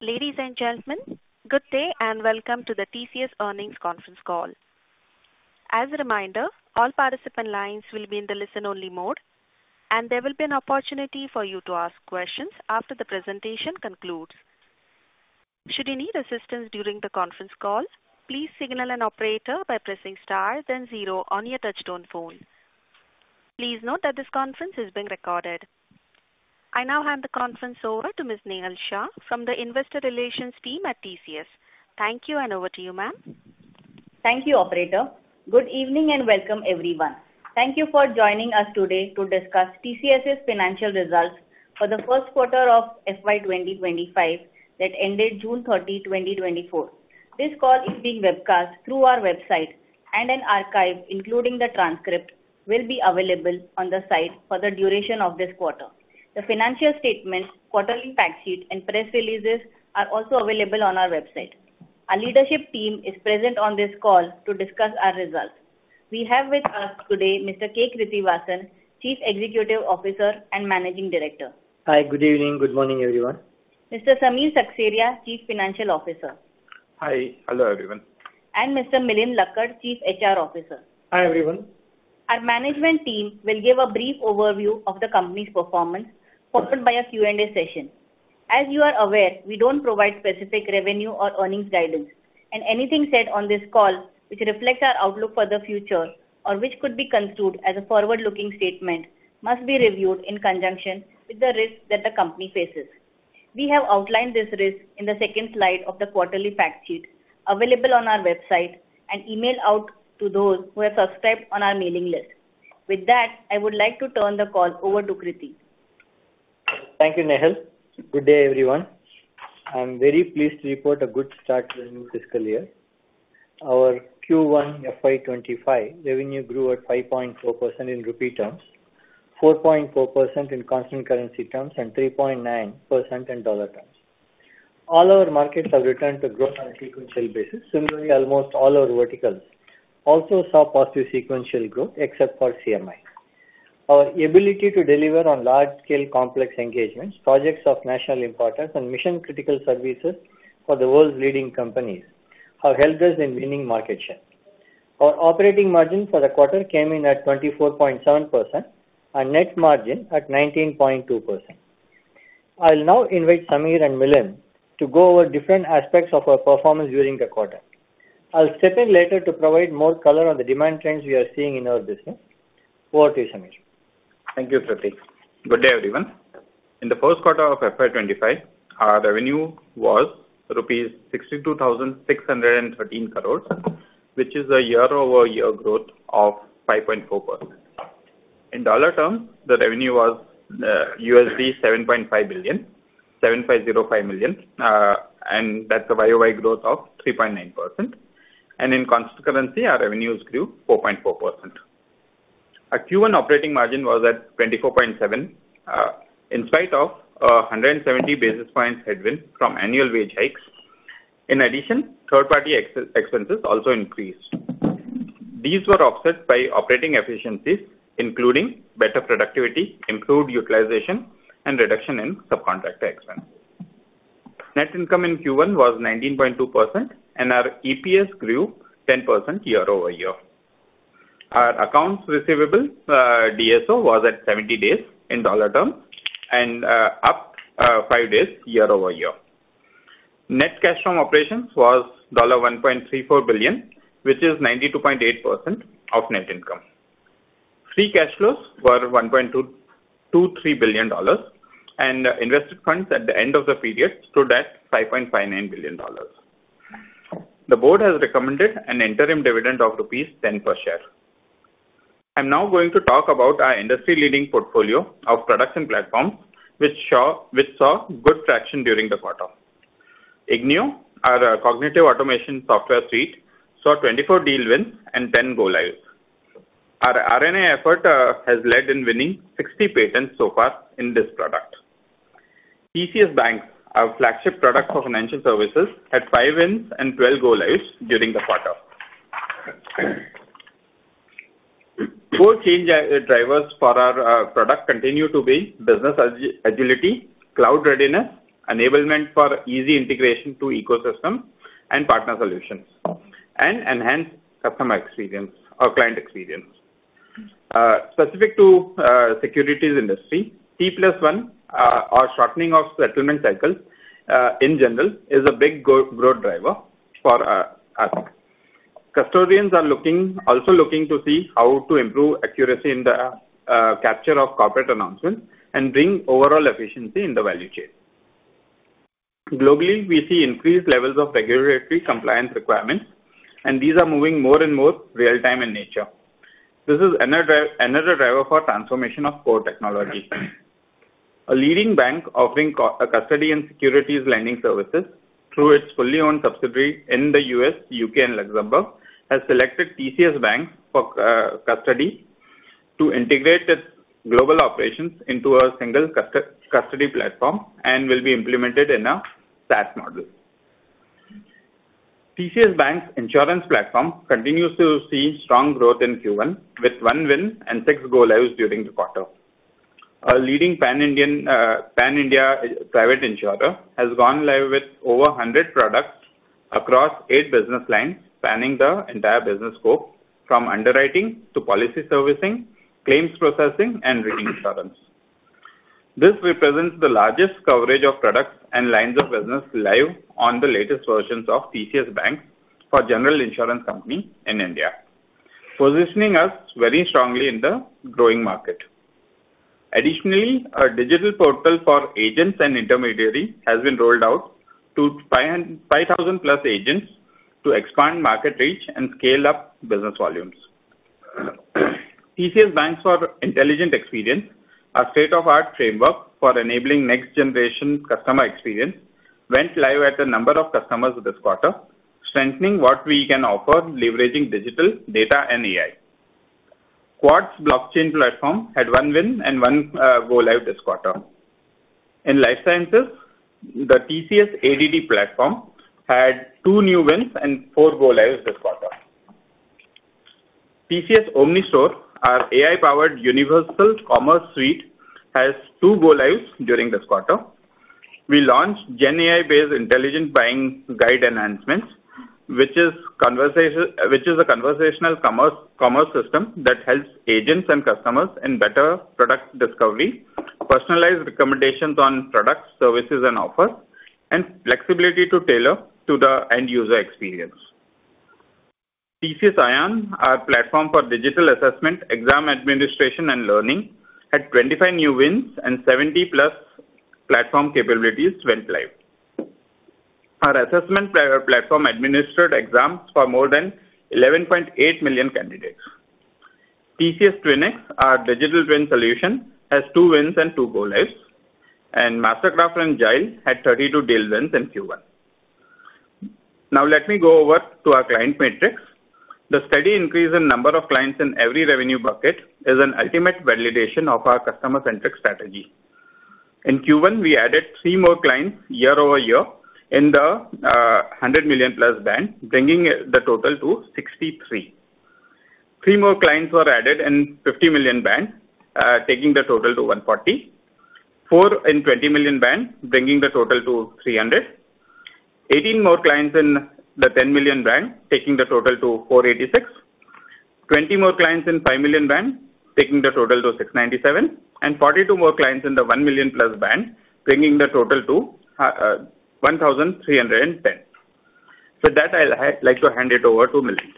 Ladies and gentlemen, good day, and welcome to the TCS Earnings Conference Call. As a reminder, all participant lines will be in the listen-only mode, and there will be an opportunity for you to ask questions after the presentation concludes. Should you need assistance during the conference call, please signal an operator by pressing star, then zero on your touchtone phone. Please note that this conference is being recorded. I now hand the conference over to Ms. Nehal Shah from the Investor Relations team at TCS. Thank you, and over to you, ma'am. Thank you, operator. Good evening, and welcome, everyone. Thank you for joining us today to discuss TCS's financial results for the first quarter of FY 2025, that ended June 30, 2024. This call is being webcast through our website, and an archive, including the transcript, will be available on the site for the duration of this quarter. The financial statement, quarterly fact sheet, and press releases are also available on our website. Our leadership team is present on this call to discuss our results. We have with us today Mr. K. Krithivasan, Chief Executive Officer and Managing Director. Hi, good evening. Good morning, everyone. Mr. Samir Seksaria, Chief Financial Officer. Hi. Hello, everyone. Mr. Milind Lakkad, Chief HR Officer. Hi, everyone. Our management team will give a brief overview of the company's performance, followed by a Q&A session. As you are aware, we don't provide specific revenue or earnings guidance, and anything said on this call which reflects our outlook for the future, or which could be construed as a forward-looking statement, must be reviewed in conjunction with the risks that the company faces. We have outlined this risk in the second slide of the quarterly fact sheet available on our website and emailed out to those who have subscribed on our mailing list. With that, I would like to turn the call over to K. Krithivasan. Thank you, Nehal. Good day, everyone. I'm very pleased to report a good start to the new fiscal year. Our Q1 FY 2025 revenue grew at 5.4% in rupee terms, 4.4% in constant currency terms, and 3.9% in dollar terms. All our markets have returned to growth on a sequential basis. Similarly, almost all our verticals also saw positive sequential growth, except for CMI. Our ability to deliver on large-scale, complex engagements, projects of national importance and mission-critical services for the world's leading companies have helped us in winning market share. Our operating margin for the quarter came in at 24.7% and net margin at 19.2%. I'll now invite Samir and Milind to go over different aspects of our performance during the quarter. I'll step in later to provide more color on the demand trends we are seeing in our business. Over to you, Samir. Thank you, K. Krithivasan. Good day, everyone. In the first quarter of FY 2025, our revenue was rupees 62,613 crore, which is a year-over-year growth of 5.4%. In dollar terms, the revenue was $7.505 billion, and that's a YOY growth of 3.9%. In constant currency, our revenues grew 4.4%. Our Q1 operating margin was at 24.7%, in spite of 170 basis points headwind from annual wage hikes. In addition, third-party expenses also increased. These were offset by operating efficiencies, including better productivity, improved utilization, and reduction in subcontractor expenses. Net income in Q1 was 19.2%, and our EPS grew 10% year-over-year. Our accounts receivable, DSO, was at 70 days in dollar terms and up 5 days year-over-year. Net cash from operations was $1.34 billion, which is 92.8% of net income. Free cash flows were $1.223 billion, and invested funds at the end of the period stood at $5.59 billion. The board has recommended an interim dividend of rupees 10 per share. I'm now going to talk about our industry-leading portfolio of products and platforms, which saw good traction during the quarter. Ignio, our cognitive automation software suite, saw 24 deal wins and 10 go lives. Our R&D effort has led in winning 60 patents so far in this product. TCS BaNCS, our flagship product for financial services, had 5 wins and 12 go lives during the quarter. 4 change drivers for our product continue to be business agility, cloud readiness, enablement for easy integration to ecosystem and partner solutions, and enhanced customer experience or client experience. Specific to securities industry, T+1 or shortening of settlement cycle in general is a big growth driver for us. Custodians are also looking to see how to improve accuracy in the capture of corporate announcements and bring overall efficiency in the value chain. Globally, we see increased levels of regulatory compliance requirements, and these are moving more and more real-time in nature. This is another driver for transformation of core technology. A leading bank offering co-custody and securities lending services through its fully owned subsidiary in the U.S., U.K. and Luxembourg, has selected TCS BaNCS for custody to integrate its global operations into a single custody platform and will be implemented in a SaaS model. TCS BaNCS's insurance platform continues to see strong growth in Q1, with 1 win and 6 go-lives during the quarter. A leading Pan-India private insurer has gone live with over 100 products across 8 business lines, spanning the entire business scope from underwriting to policy servicing, claims processing, and reinsurance. This represents the largest coverage of products and lines of business live on the latest versions of TCS BaNCS for general insurance company in India, positioning us very strongly in the growing market. Additionally, our digital portal for agents and intermediaries has been rolled out to 5,000 plus agents to expand market reach and scale up business volumes. TCS BaNCS for intelligent experience, our state-of-the-art framework for enabling next-generation customer experience, went live at a number of customers this quarter, strengthening what we can offer, leveraging digital data and AI. Quartz blockchain platform had one win and one go live this quarter. In life sciences, the TCS ADD platform had two new wins and four go-lives this quarter. TCS OmniStore, our AI-powered universal commerce suite, has two go-lives during this quarter. We launched GenAI-based intelligent buying guide enhancements, which is a conversational commerce system that helps agents and customers in better product discovery, personalized recommendations on products, services, and offers, and flexibility to tailor to the end user experience. TCS iON, our platform for digital assessment, exam administration, and learning, had 25 new wins and 70+ platform capabilities went live. Our assessment platform administered exams for more than 11.8 million candidates. TCS TwinX, our digital twin solution, has 2 wins and 2 go-lives, and MasterCraft and Jile had 32 deal wins in Q1. Now let me go over to our client metrics. The steady increase in number of clients in every revenue bucket is an ultimate validation of our customer-centric strategy. In Q1, we added 3 more clients year-over-year in the 100 million+ band, bringing the total to 63. Three more clients were added in $50 million band, taking the total to 140; four in $20 million band, bringing the total to 300; eighteen more clients in the $10 million band, taking the total to 486; twenty more clients in $5 million band, taking the total to 697; and forty-two more clients in the $1 million-plus band, bringing the total to 1,310. With that, I'll like to hand it over to Milind.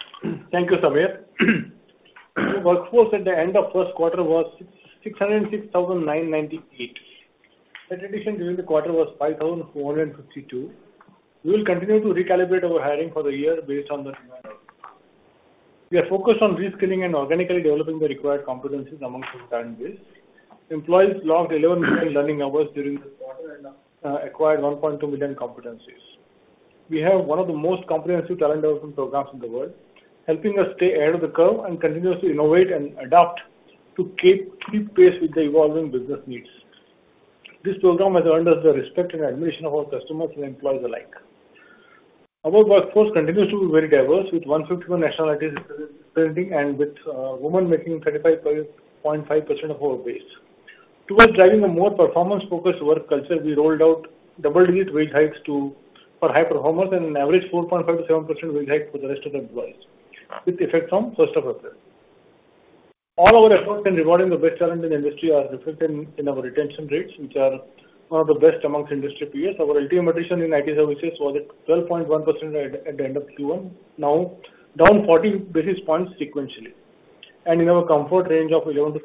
Thank you, Samir. The workforce at the end of first quarter was 606,998. Net addition during the quarter was 5,452. We will continue to recalibrate our hiring for the year based on the demand. We are focused on reskilling and organically developing the required competencies amongst the talent base. Employees logged 11 million learning hours during this quarter and acquired 1.2 million competencies. We have one of the most comprehensive talent development programs in the world, helping us stay ahead of the curve and continuously innovate and adapt to keep pace with the evolving business needs. This program has earned us the respect and admiration of our customers and employees alike. Our workforce continues to be very diverse, with 151 nationalities representing and with women making 35.5% of our base. Towards driving a more performance-focused work culture, we rolled out double-digit wage hikes to for high performers and an average 4.5%-7% wage hike for the rest of the employees, with effect from first of April. All our efforts in rewarding the best talent in the industry are reflected in our retention rates, which are one of the best amongst industry peers. Our LTM retention in IT services was at 12.1% at the end of Q1, now down 40 basis points sequentially, and in our comfort range of 11%-13%.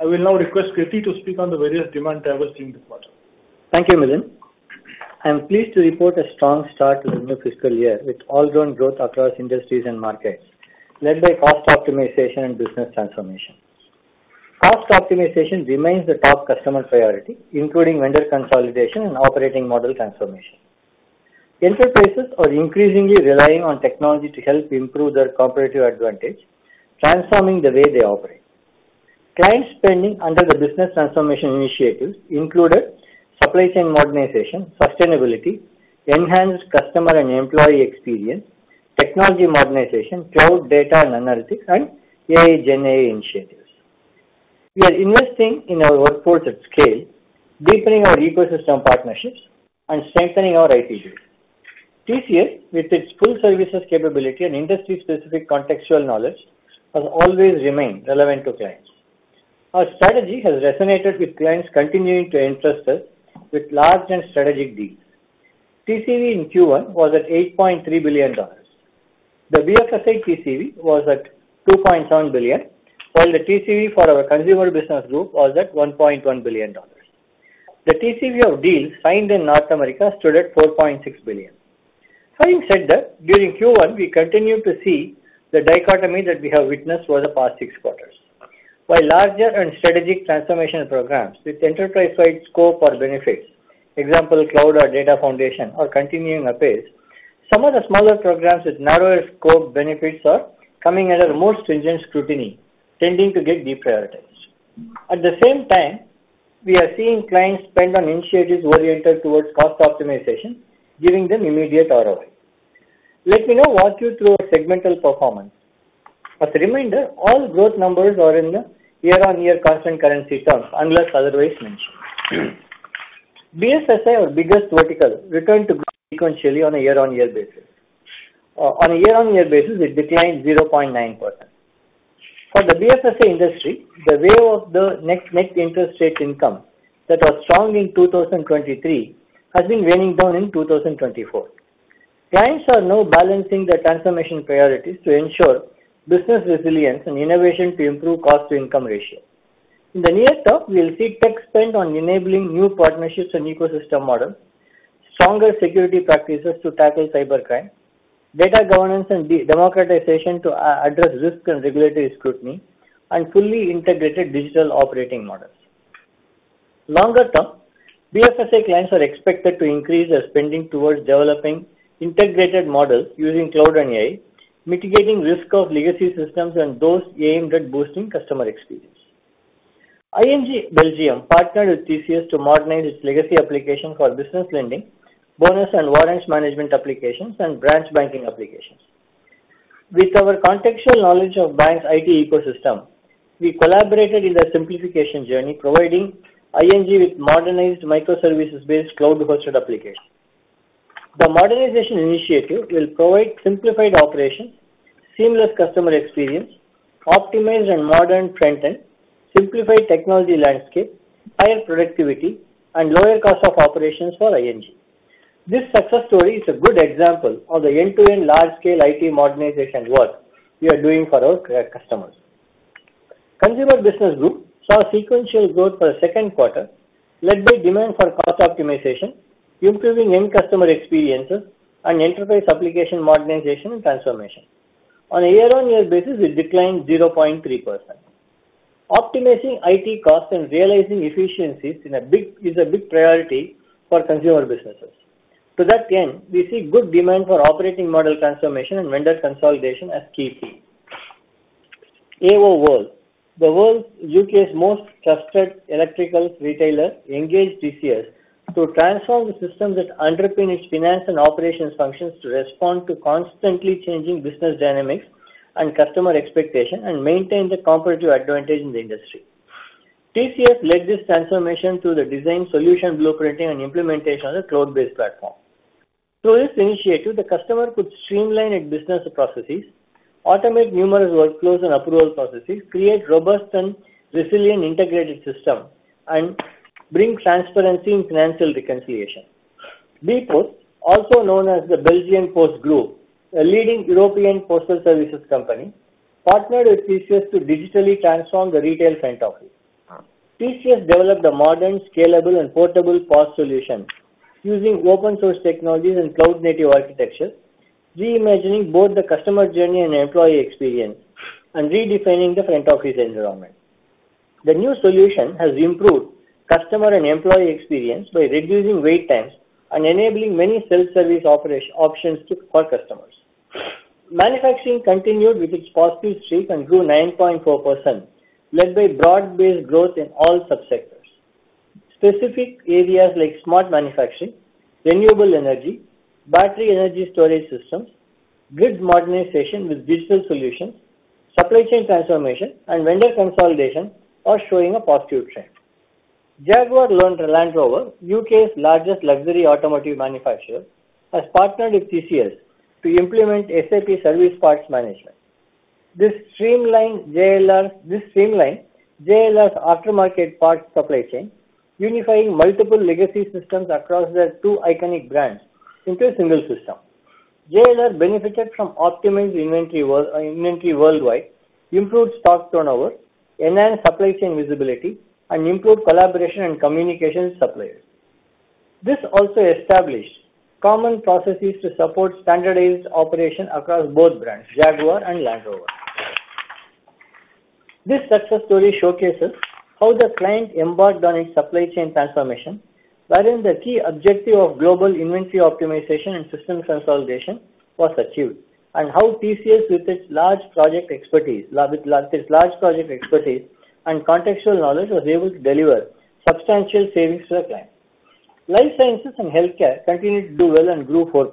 I will now request K. Krithivasan to speak on the various demand drivers in the quarter. Thank you, Milind. I am pleased to report a strong start to the new fiscal year, with all-round growth across industries and markets, led by cost optimization and business transformation. Cost optimization remains the top customer priority, including vendor consolidation and operating model transformation. Enterprises are increasingly relying on technology to help improve their competitive advantage, transforming the way they operate. Client spending under the business transformation initiatives included supply chain modernization, sustainability, enhanced customer and employee experience, technology modernization, cloud data and analytics, and AI, GenAI initiatives. We are investing in our workforce at scale, deepening our ecosystem partnerships, and strengthening our IP base. TCS, with its full services capability and industry-specific contextual knowledge, has always remained relevant to clients. Our strategy has resonated with clients continuing to entrust us with large and strategic deals. TCV in Q1 was $8.3 billion. The BFSI TCV was at $2.7 billion, while the TCV for our consumer business group was at $1.1 billion. The TCV of deals signed in North America stood at $4.6 billion. Having said that, during Q1, we continued to see the dichotomy that we have witnessed over the past six quarters. While larger and strategic transformational programs with enterprise-wide scope or benefits, example, cloud or data foundation, are continuing apace, some of the smaller programs with narrower scope benefits are coming under more stringent scrutiny, tending to get deprioritized. At the same time, we are seeing clients spend on initiatives oriented towards cost optimization, giving them immediate ROI. Let me now walk you through our segmental performance. As a reminder, all growth numbers are in the year-on-year constant currency terms, unless otherwise mentioned. BFSI, our biggest vertical, returned to growth sequentially on a year-on-year basis. On a year-on-year basis, it declined 0.9%. For the BFSI industry, the wave of the next net interest rate income that was strong in 2023, has been waning down in 2024. Clients are now balancing their transformation priorities to ensure business resilience and innovation to improve cost-to-income ratio. In the near term, we will see tech spend on enabling new partnerships and ecosystem models, stronger security practices to tackle cybercrime, data governance and de-democratization to address risk and regulatory scrutiny, and fully integrated digital operating models. Longer term, BFSI clients are expected to increase their spending towards developing integrated models using cloud and AI, mitigating risk of legacy systems and those aimed at boosting customer experience. ING Belgium partnered with TCS to modernize its legacy application for business lending, bonus and warrants management applications, and branch banking applications. With our contextual knowledge of bank's IT ecosystem, we collaborated in their simplification journey, providing ING with modernized microservices-based cloud-hosted applications. The modernization initiative will provide simplified operations, seamless customer experience, optimized and modern front-end, simplified technology landscape, higher productivity, and lower cost of operations for ING. This success story is a good example of the end-to-end large-scale IT modernization work we are doing for our customers. Consumer business group saw sequential growth for the second quarter, led by demand for cost optimization, improving end customer experiences, and enterprise application modernization and transformation. On a year-on-year basis, we declined 0.3%. Optimizing IT costs and realizing efficiencies in a big is a big priority for consumer businesses. To that end, we see good demand for operating model transformation and vendor consolidation as key themes. AO World, UK's most trusted electrical retailer, engaged TCS to transform the systems that underpin its finance and operations functions to respond to constantly changing business dynamics and customer expectation, and maintain the competitive advantage in the industry. TCS led this transformation through the design solution, blueprinting, and implementation of the cloud-based platform. Through this initiative, the customer could streamline its business processes, automate numerous workflows and approval processes, create robust and resilient integrated system, and bring transparency in financial reconciliation. bpost, also known as the Belgian Post Group, a leading European postal services company, partnered with TCS to digitally transform the retail front office. TCS developed a modern, scalable, and portable POS solution using open source technologies and cloud-native architecture, reimagining both the customer journey and employee experience, and redefining the front office environment. The new solution has improved customer and employee experience by reducing wait times and enabling many self-service options for customers. Manufacturing continued with its positive streak and grew 9.4%, led by broad-based growth in all sub-sectors. Specific areas like smart manufacturing, renewable energy, battery energy storage systems, grid modernization with digital solutions, supply chain transformation, and vendor consolidation are showing a positive trend. Jaguar Land Rover, UK's largest luxury automotive manufacturer, has partnered with TCS to implement SAP Service Parts Management. This streamlines JLR's aftermarket parts supply chain, unifying multiple legacy systems across the two iconic brands into a single system. JLR benefited from optimized inventory worldwide, improved stock turnover, enhanced supply chain visibility, and improved collaboration and communication with suppliers. This also established common processes to support standardized operation across both brands, Jaguar and Land Rover. This success story showcases how the client embarked on its supply chain transformation, wherein the key objective of global inventory optimization and system consolidation was achieved, and how TCS, with its large project expertise and contextual knowledge, was able to deliver substantial savings to the client. Life sciences and healthcare continued to do well and grew 4%.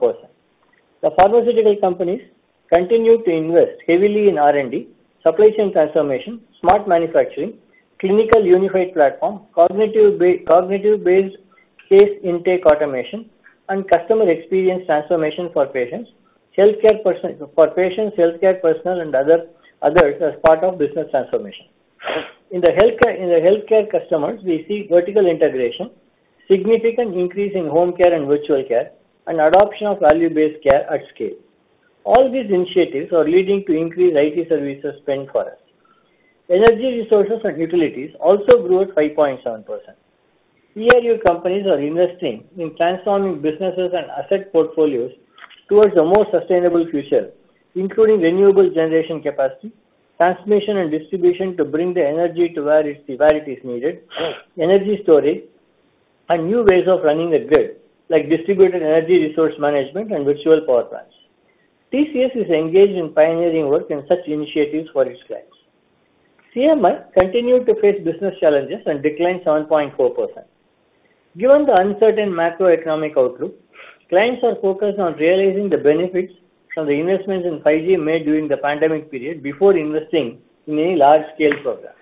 The pharmaceutical companies continued to invest heavily in R&D, supply chain transformation, smart manufacturing, clinical unified platform, cognitive-based case intake automation, and customer experience transformation for patients, healthcare personnel, and others as part of business transformation. In the healthcare, in the healthcare customers, we see vertical integration, significant increase in home care and virtual care, and adoption of value-based care at scale. All these initiatives are leading to increased IT services spend for us. Energy resources and utilities also grew at 5.7%. ER&U companies are investing in transforming businesses and asset portfolios towards a more sustainable future, including renewable generation capacity, transmission and distribution to bring the energy to where it, where it is needed, energy storage-... and new ways of running the grid, like distributed energy resource management and virtual power plants. TCS is engaged in pioneering work in such initiatives for its clients. CMI continued to face business challenges and declined 7.4%. Given the uncertain macroeconomic outlook, clients are focused on realizing the benefits from the investments in 5G made during the pandemic period before investing in any large-scale programs.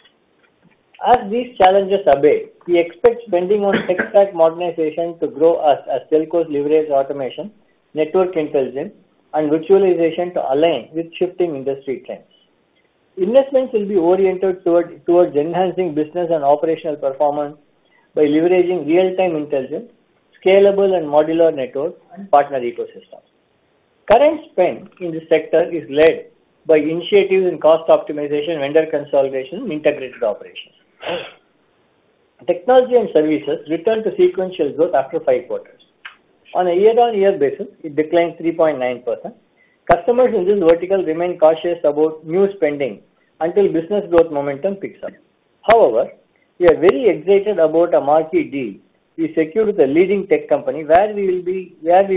As these challenges abate, we expect spending on tech stack modernization to grow as telcos leverage automation, network intelligence, and virtualization to align with shifting industry trends. Investments will be oriented toward enhancing business and operational performance by leveraging real-time intelligence, scalable and modular networks, and partner ecosystems. Current spend in this sector is led by initiatives in cost optimization, vendor consolidation, and integrated operations. Technology and services returned to sequential growth after five quarters. On a year-on-year basis, it declined 3.9%. Customers in this vertical remain cautious about new spending until business growth momentum picks up. However, we are very excited about a marquee deal we secured with a leading tech company, where we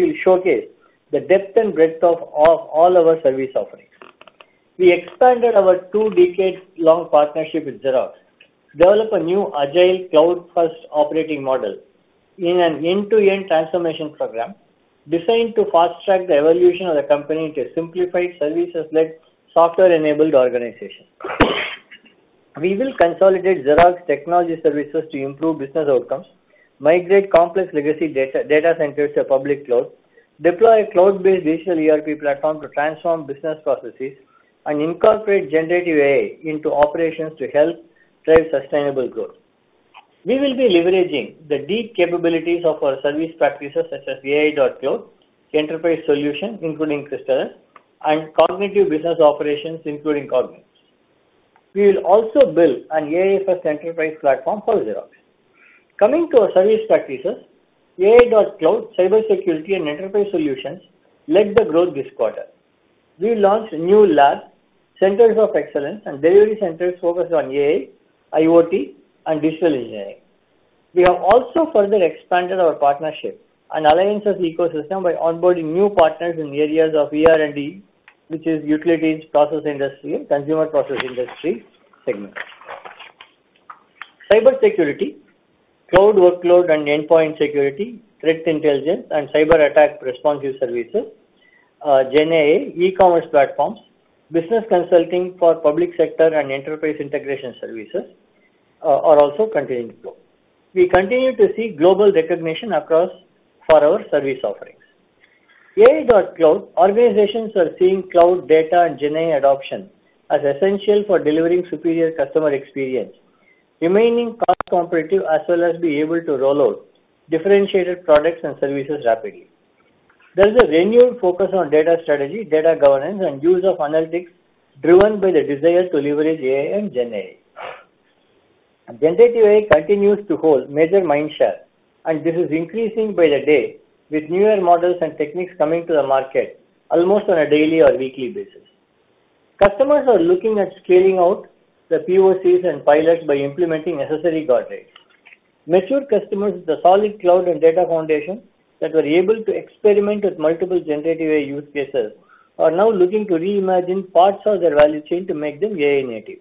will showcase the depth and breadth of all our service offerings. We expanded our two-decade-long partnership with Xerox to develop a new agile, cloud-first operating model in an end-to-end transformation program designed to fast-track the evolution of the company into a simplified, services-led, software-enabled organization. We will consolidate Xerox technology services to improve business outcomes, migrate complex legacy data, data centers to public cloud, deploy a cloud-based digital ERP platform to transform business processes, and incorporate generative AI into operations to help drive sustainable growth. We will be leveraging the deep capabilities of our service practices such as AI.Cloud, Enterprise Solutions, including Crystallus, and cognitive business operations, including Cognix. We will also build an AI-first enterprise platform for Xerox. Coming to our service practices, AI.Cloud, cybersecurity, and enterprise solutions led the growth this quarter. We launched new labs, centers of excellence, and delivery centers focused on AI, IoT, and digital engineering. We have also further expanded our partnership and alliances ecosystem by onboarding new partners in the areas of ER&U, which is utilities, process industry, and consumer process industry segments. Cybersecurity, cloud workload and endpoint security, threat intelligence, and cyberattack responsive services, GenAI, e-commerce platforms, business consulting for public sector, and enterprise integration services are also continuing to grow. We continue to see global recognition across for our service offerings. AI.Cloud organizations are seeing cloud data and GenAI adoption as essential for delivering superior customer experience, remaining cost-competitive, as well as be able to roll out differentiated products and services rapidly. There is a renewed focus on data strategy, data governance, and use of analytics, driven by the desire to leverage AI and GenAI. Generative AI continues to hold major mindshare, and this is increasing by the day, with newer models and techniques coming to the market almost on a daily or weekly basis. Customers are looking at scaling out the POCs and pilots by implementing necessary guardrails. Mature customers with a solid cloud and data foundation that were able to experiment with multiple generative AI use cases are now looking to reimagine parts of their value chain to make them AI native.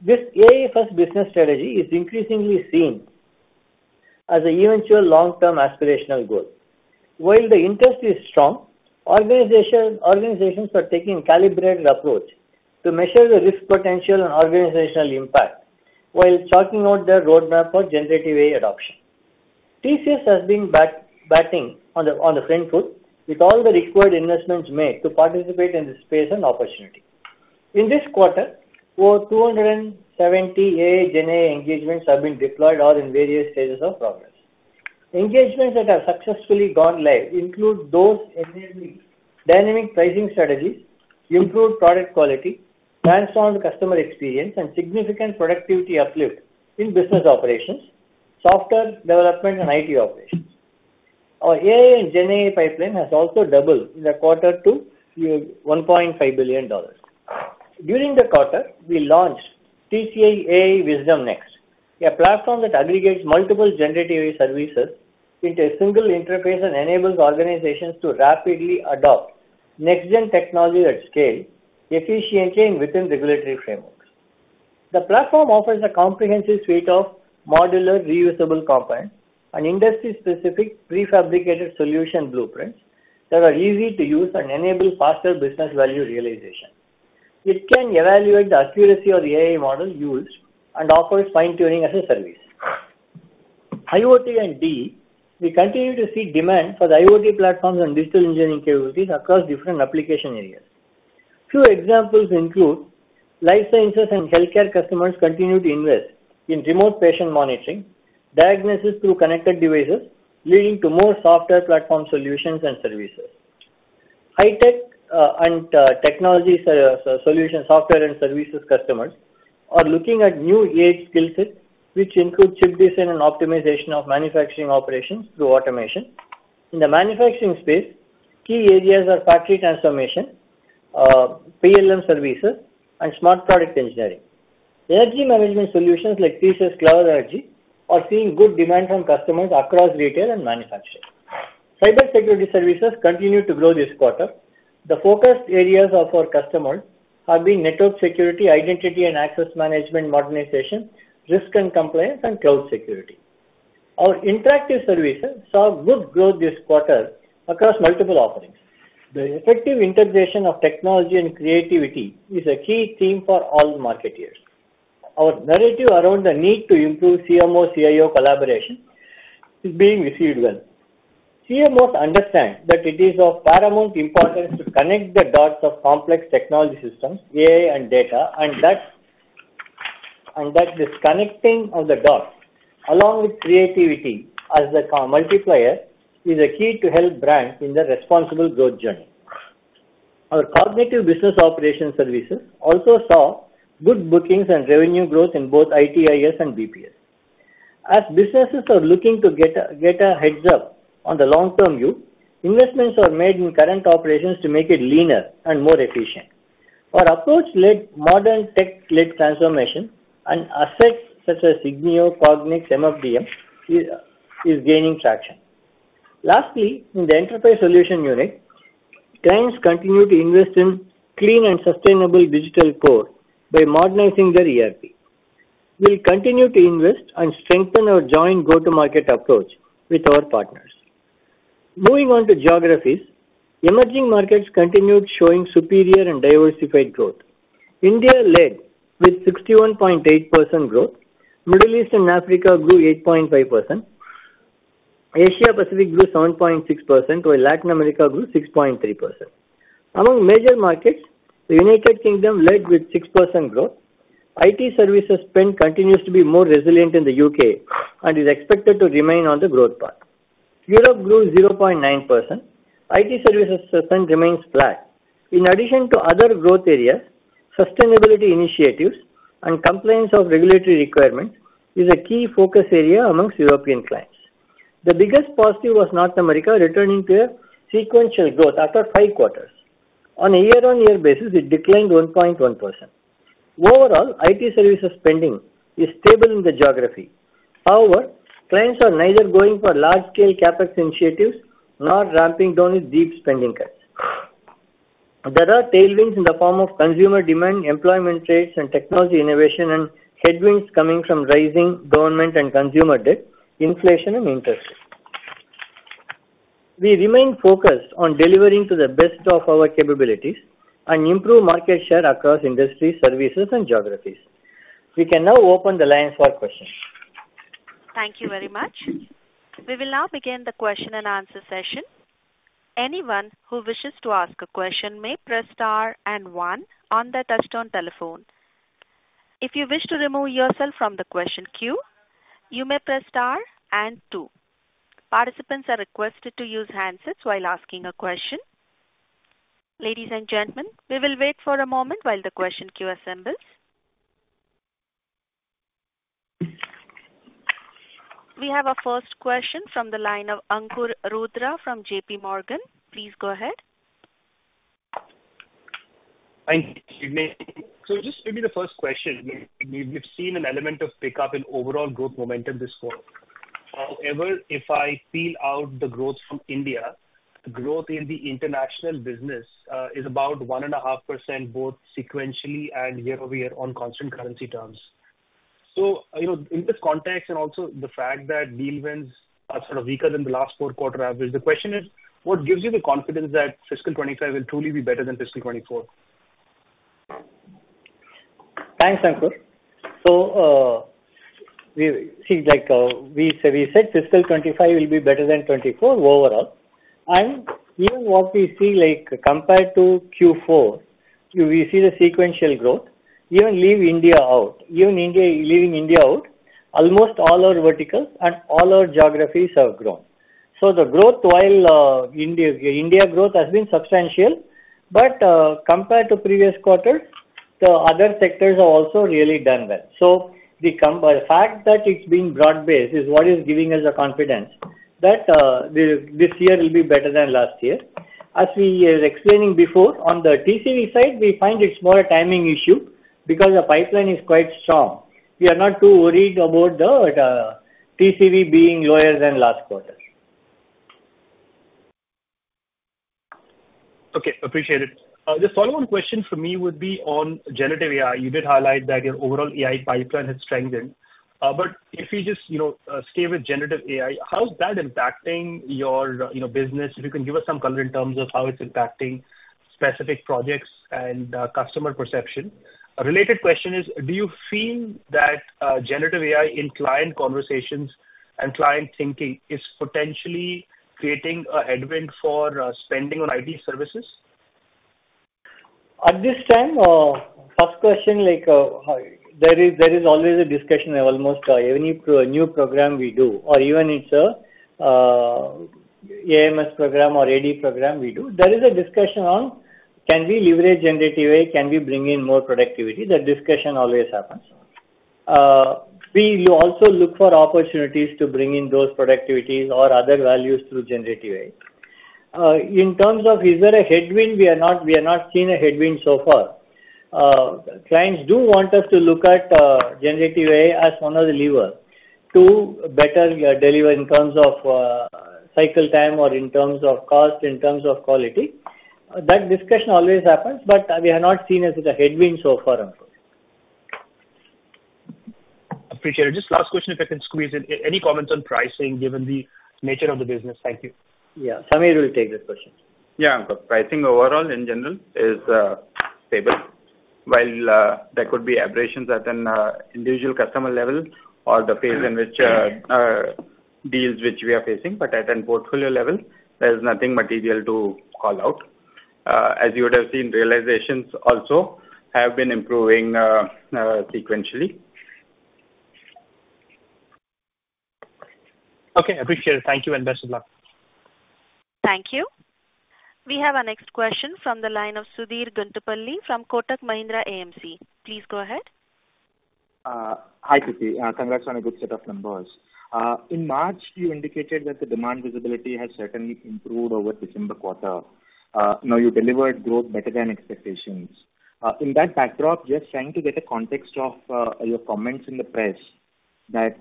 This AI-first business strategy is increasingly seen as an eventual long-term aspirational goal. While the interest is strong, organizations are taking a calibrated approach to measure the risk potential and organizational impact while charting out their roadmap for generative AI adoption. TCS has been batting on the front foot with all the required investments made to participate in this space and opportunity. In this quarter, over 270 AI, GenAI engagements have been deployed or in various stages of progress. Engagements that have successfully gone live include those enabling dynamic pricing strategies, improved product quality, transformed customer experience, and significant productivity uplift in business operations, software development, and IT operations. Our AI and GenAI pipeline has also doubled in the quarter to $1.5 billion. During the quarter, we launched TCS AI WisdomNext, a platform that aggregates multiple generative AI services into a single interface and enables organizations to rapidly adopt next-gen technology at scale efficiently and within regulatory frameworks. The platform offers a comprehensive suite of modular, reusable components and industry-specific prefabricated solution blueprints that are easy to use and enable faster business value realization. It can evaluate the accuracy of the AI model used and offers fine-tuning as a service. IoT and DE, we continue to see demand for the IoT platforms and digital engineering capabilities across different application areas. Two examples include life sciences and healthcare customers continue to invest in remote patient monitoring, diagnosis through connected devices, leading to more software platform solutions and services. High-tech and technology solution software and services customers are looking at new age skill sets, which include chip design and optimization of manufacturing operations through automation. In the manufacturing space, key areas are factory transformation, PLM services and smart product engineering. Energy management solutions like TCS Clever Energy are seeing good demand from customers across retail and manufacturing. Cybersecurity services continued to grow this quarter. The focus areas of our customers have been network security, identity and access management modernization, risk and compliance, and cloud security. Our interactive services saw good growth this quarter across multiple offerings. The effective integration of technology and creativity is a key theme for all marketeers. Our narrative around the need to improve CMO-CIO collaboration is being received well. CMOs understand that it is of paramount importance to connect the dots of complex technology systems, AI, and data, and that this connecting of the dots, along with creativity as the co-multiplier, is a key to help brands in their responsible growth journey. Our cognitive business operations services also saw good bookings and revenue growth in both ITIS and BPS. As businesses are looking to get a heads-up on the long-term view, investments are made in current operations to make it leaner and more efficient. Our approach-led, modern tech-led transformation and assets such as Ignio, Cognix, MFDM is gaining traction. Lastly, in the enterprise solution unit, clients continue to invest in clean and sustainable digital core by modernizing their ERP. We'll continue to invest and strengthen our joint go-to-market approach with our partners. Moving on to geographies, emerging markets continued showing superior and diversified growth. India led with 61.8% growth. Middle East and Africa grew 8.5%. Asia Pacific grew 7.6%, while Latin America grew 6.3%. Among major markets, the United Kingdom led with 6% growth. IT services spend continues to be more resilient in the U.K. and is expected to remain on the growth path. Europe grew 0.9%. IT services spend remains flat. In addition to other growth areas, sustainability initiatives and compliance of regulatory requirements is a key focus area amongst European clients. The biggest positive was North America returning to a sequential growth after 5 quarters. On a year-on-year basis, it declined 1.1%. Overall, IT services spending is stable in the geography. However, clients are neither going for large-scale CapEx initiatives nor ramping down with deep spending cuts. There are tailwinds in the form of consumer demand, employment rates, and technology innovation, and headwinds coming from rising government and consumer debt, inflation, and interest. We remain focused on delivering to the best of our capabilities and improve market share across industries, services, and geographies. We can now open the line for questions. Thank you very much. We will now begin the question and answer session. Anyone who wishes to ask a question may press star and one on their touchtone telephone. If you wish to remove yourself from the question queue, you may press star and two. Participants are requested to use handsets while asking a question. Ladies and gentlemen, we will wait for a moment while the question queue assembles. We have our first question from the line of Ankur Rudra from JPMorgan. Please go ahead. Thank you. So just maybe the first question, we've seen an element of pickup in overall growth momentum this quarter. However, if I peel out the growth from India, growth in the international business is about 1.5%, both sequentially and year-over-year on constant currency terms. So, you know, in this context, and also the fact that deal wins are sort of weaker than the last four-quarter average, the question is: What gives you the confidence that fiscal 2025 will truly be better than fiscal 2024? Thanks, Ankur. So, we see, like, we said, we said fiscal 2025 will be better than 2024 overall. And even what we see, like, compared to Q4, we see the sequential growth, even leave India out. Even India—leaving India out, almost all our verticals and all our geographies have grown. So the growth, while, India, India growth has been substantial, but, compared to previous quarter, the other sectors have also really done well. So the fact that it's been broad-based is what is giving us the confidence that, this, this year will be better than last year. As we were explaining before, on the TCV side, we find it's more a timing issue because the pipeline is quite strong. We are not too worried about the, TCV being lower than last quarter. Okay, appreciate it. The follow-on question from me would be on generative AI. You did highlight that your overall AI pipeline has strengthened. But if you just, you know, stay with generative AI, how is that impacting your, you know, business? If you can give us some color in terms of how it's impacting specific projects and, customer perception. A related question is: Do you feel that, generative AI in client conversations and client thinking is potentially creating a headwind for, spending on IT services? At this time, first question, like, there is always a discussion almost any new program we do, or even it's a AMS program or AD program we do. There is a discussion on, can we leverage generative AI? Can we bring in more productivity? That discussion always happens. We will also look for opportunities to bring in those productivities or other values through generative AI. In terms of is there a headwind? We are not seeing a headwind so far. Clients do want us to look at generative AI as one of the lever to better deliver in terms of cycle time or in terms of cost, in terms of quality. That discussion always happens, but we have not seen it as a headwind so far, Ankur. Appreciate it. Just last question, if I can squeeze in. Any comments on pricing, given the nature of the business? Thank you. Yeah. Samir will take this question. Yeah, Ankur. Pricing overall in general is stable. While there could be aberrations at an individual customer level or the phase in which deals which we are facing, but at an portfolio level, there is nothing material to call out. As you would have seen, realizations also have been improving sequentially. Okay, appreciate it. Thank you and best of luck. Thank you. We have our next question from the line of Sudhir Guntupalli from Kotak Mahindra AMC. Please go ahead. Hi, K. Krithivasan. Congrats on a good set of numbers. In March, you indicated that the demand visibility has certainly improved over December quarter. Now you delivered growth better than expectations. In that backdrop, just trying to get a context of your comments in the press, that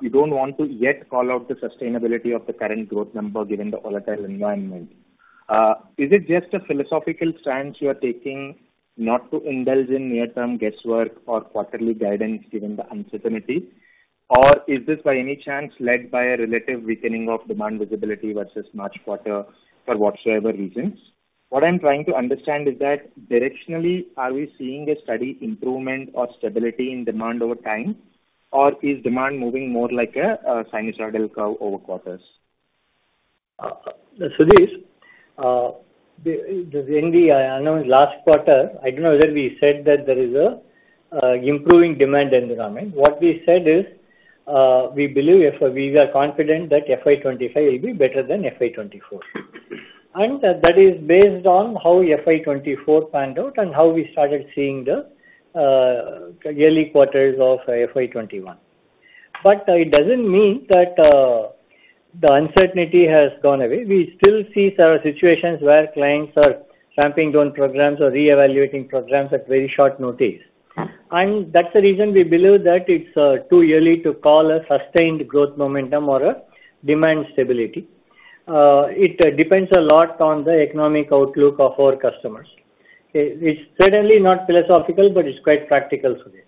you don't want to yet call out the sustainability of the current growth number, given the volatile environment. Is it just a philosophical stance you are taking not to indulge in near-term guesswork or quarterly guidance, given the uncertainty? Or is this by any chance led by a relative weakening of demand visibility versus March quarter for whatsoever reasons? What I'm trying to understand is that directionally, are we seeing a steady improvement or stability in demand over time, or is demand moving more like a sinusoidal curve over quarters? Sudhir, in the announcement last quarter, I don't know whether we said that there is an improving demand environment. What we said is, we believe, we are confident that FY 2025 will be better than FY 2024. And that is based on how FY 2024 panned out and how we started seeing the early quarters of FY 2025. But it doesn't mean that the uncertainty has gone away. We still see some situations where clients are ramping down programs or reevaluating programs at very short notice. And that's the reason we believe that it's too early to call a sustained growth momentum or a demand stability. It depends a lot on the economic outlook of our customers. It's certainly not philosophical, but it's quite practical for me.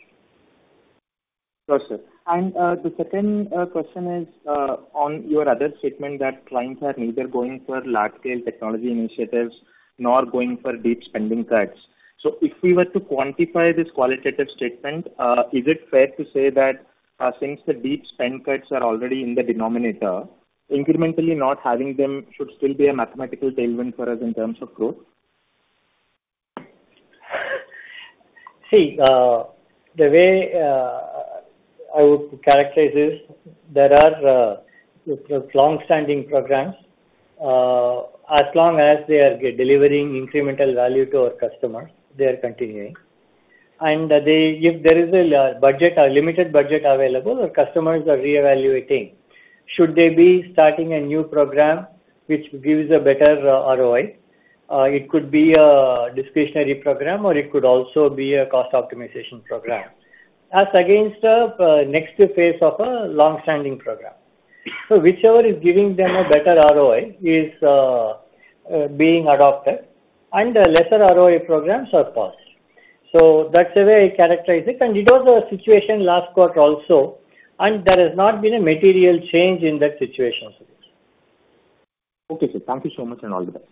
Sure, sir. And the second question is on your other statement, that clients are neither going for large-scale technology initiatives nor going for deep spending cuts. So if we were to quantify this qualitative statement, is it fair to say that since the deep spend cuts are already in the denominator, incrementally not having them should still be a mathematical tailwind for us in terms of growth? See, the way I would characterize this, there are long-standing programs. As long as they are delivering incremental value to our customers, they are continuing. And they—if there is a budget or limited budget available, our customers are reevaluating. Should they be starting a new program which gives a better ROI? It could be a discretionary program, or it could also be a cost optimization program, as against next phase of a long-standing program. So whichever is giving them a better ROI is being adopted, and lesser ROI programs are paused. So that's the way I characterize it, and it was a situation last quarter also, and there has not been a material change in that situation since. Okay, sir. Thank you so much, and all the best.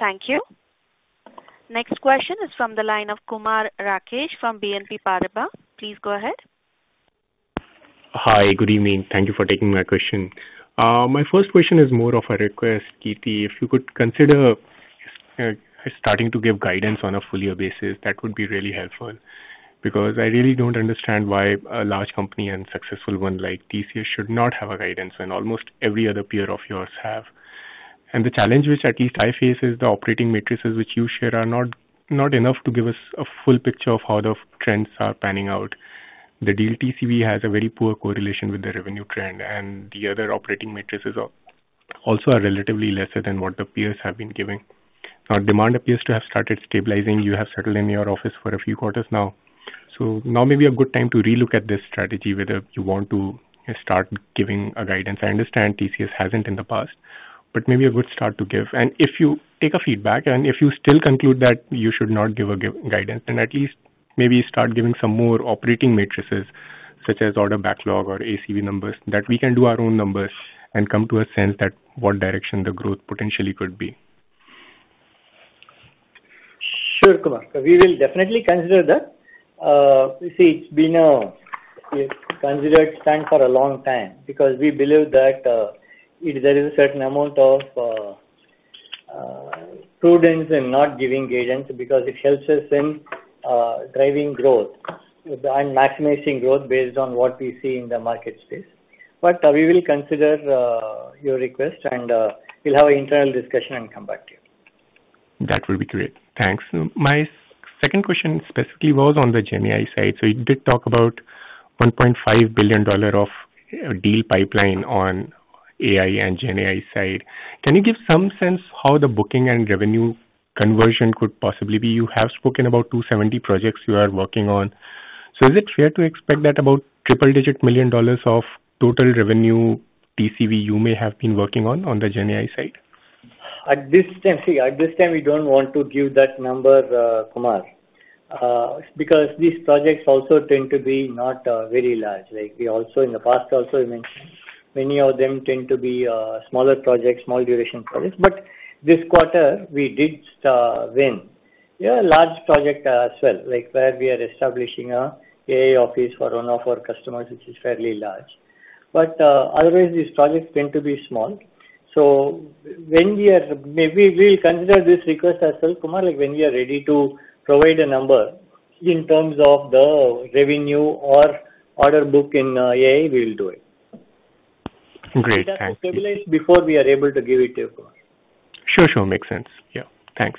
Thank you. Next question is from the line of Kumar Rakesh from BNP Paribas. Please go ahead. Hi. Good evening. Thank you for taking my question. My first question is more of a request, Krithi. If you could consider starting to give guidance on a full year basis, that would be really helpful, because I really don't understand why a large company and successful one like TCS should not have a guidance when almost every other peer of yours have. And the challenge which at least I face is the operating metrics which you share are not enough to give us a full picture of how the trends are panning out. The deal TCV has a very poor correlation with the revenue trend, and the other operating metrics are also relatively lesser than what the peers have been giving. Now, demand appears to have started stabilizing. You have settled in your office for a few quarters now, so now maybe a good time to relook at this strategy, whether you want to start giving guidance. I understand TCS hasn't in the past, but maybe a good start to give. And if you take a feedback, and if you still conclude that you should not give a guidance, then at least maybe start giving some more operating metrics, such as order backlog or ACV numbers, that we can do our own numbers and come to a sense that what direction the growth potentially could be. Sure, Kumar. We will definitely consider that. You see, it's been a considered stand for a long time because we believe that there is a certain amount of prudence in not giving guidance, because it helps us in driving growth and maximizing growth based on what we see in the market space. But we will consider your request, and we'll have an internal discussion and come back to you.... That would be great. Thanks. My second question specifically was on the GenAI side. So you did talk about $1.5 billion of deal pipeline on AI and GenAI side. Can you give some sense how the booking and revenue conversion could possibly be? You have spoken about 270 projects you are working on. So is it fair to expect that about triple-digit million dollars of total revenue TCV you may have been working on, on the GenAI side? At this time, at this time, we don't want to give that number, Kumar, because these projects also tend to be not very large. Like we also in the past also you mentioned, many of them tend to be smaller projects, small duration projects. But this quarter we did win a large project as well, like where we are establishing a AI office for one of our customers, which is fairly large. But otherwise, these projects tend to be small. So when we are, maybe we'll consider this request as well, Kumar, like when we are ready to provide a number in terms of the revenue or order book in AI, we will do it. Great, thank you. It has to stabilize before we are able to give it to you, Kumar. Sure, sure. Makes sense. Yeah, thanks.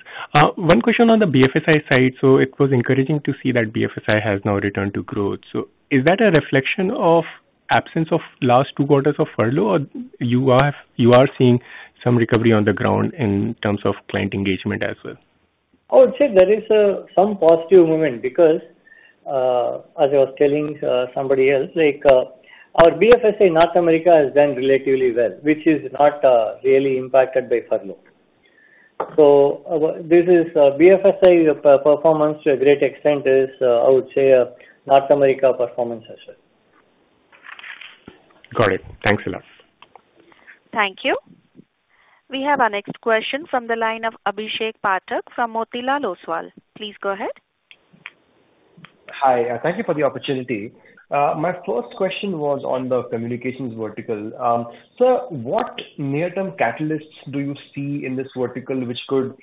One question on the BFSI side. So it was encouraging to see that BFSI has now returned to growth. So is that a reflection of absence of last two quarters of furlough, or you are, you are seeing some recovery on the ground in terms of client engagement as well? I would say there is some positive movement because, as I was telling somebody else, like, our BFSI North America has done relatively well, which is not really impacted by furlough. So, this is BFSI performance to a great extent. I would say North America performance as well. Got it. Thanks a lot. Thank you. We have our next question from the line of Abhishek Pathak from Motilal Oswal. Please go ahead. Hi, thank you for the opportunity. My first question was on the communications vertical. So what near-term catalysts do you see in this vertical, which could,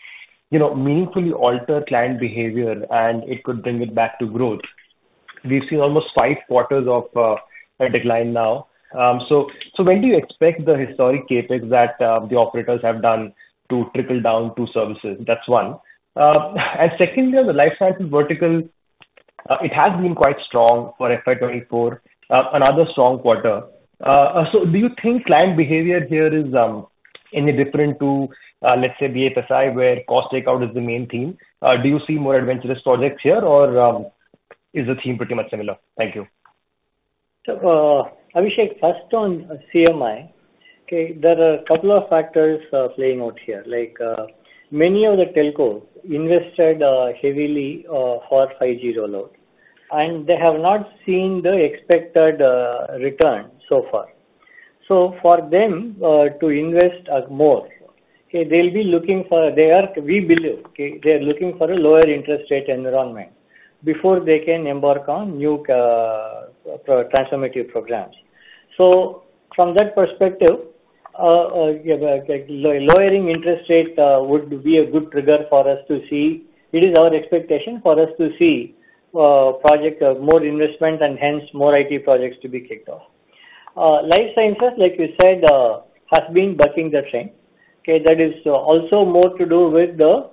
you know, meaningfully alter client behavior, and it could bring it back to growth? We've seen almost 5 quarters of a decline now. So when do you expect the historic CapEx that the operators have done to trickle down to services? That's one. And secondly, on the life sciences vertical, it has been quite strong for FY 2024, another strong quarter. So do you think client behavior here is any different to, let's say, BFSI, where cost takeout is the main theme? Do you see more adventurous projects here, or is the theme pretty much similar? Thank you. So, Abhishek, first on CMI, okay, there are a couple of factors, playing out here. Like, many of the telcos invested, heavily, for 5G rollout, and they have not seen the expected, return so far. So for them, to invest, more, okay, they'll be looking for, they are, we believe, okay, they are looking for a lower interest rate environment before they can embark on new, transformative programs. So from that perspective, like, lowering interest rate, would be a good trigger for us to see. It is our expectation for us to see, project, more investment and hence more IT projects to be kicked off. Life sciences, like you said, has been bucking the trend. Okay? That is also more to do with the,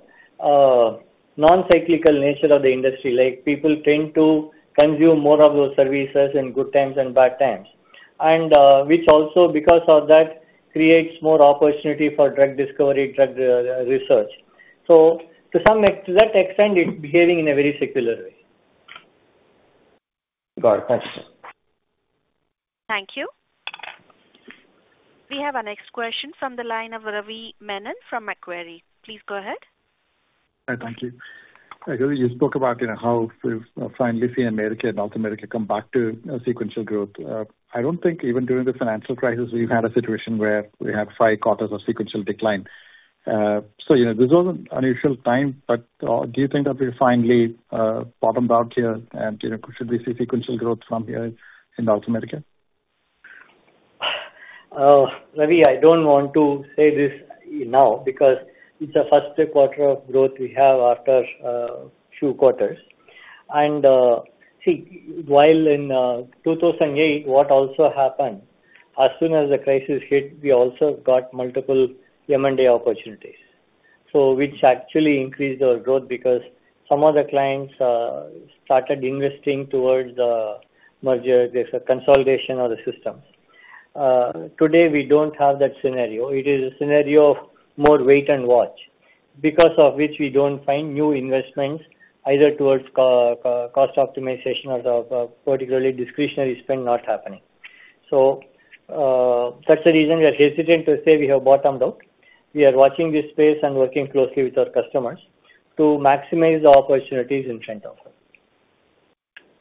non-cyclical nature of the industry. Like, people tend to consume more of those services in good times and bad times, and, which also because of that, creates more opportunity for drug discovery, drug research. So to some extent, it's behaving in a very secular way. Got it. Thanks. Thank you. We have our next question from the line of Ravi Menon from Macquarie. Please go ahead. Hi. Thank you. Ravi, you spoke about, you know, how we've finally seen America and North America come back to sequential growth. I don't think even during the financial crisis, we've had a situation where we had five quarters of sequential decline. So, you know, this was an unusual time, but do you think that we're finally bottomed out here and, you know, should we see sequential growth from here in North America? Ravi, I don't want to say this now because it's the first quarter of growth we have after few quarters. See, while in 2008, what also happened, as soon as the crisis hit, we also got multiple M&A opportunities. So which actually increased our growth because some of the clients started investing towards the merger, the consolidation of the system. Today, we don't have that scenario. It is a scenario of more wait and watch, because of which we don't find new investments either towards cost optimization or the, particularly discretionary spend not happening. So, that's the reason we are hesitant to say we have bottomed out. We are watching this space and working closely with our customers to maximize the opportunities in front of us.